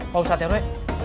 pak ustadz ya rui